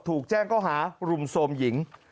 ถูกแจ้งเขาหารุมโทรมหญิง